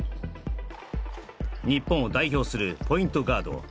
日本を代表するポイントガード